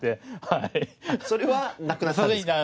それはなくなったんですか。